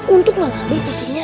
untuk melalui kucingnya